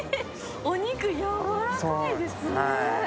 お肉やわらかいですね。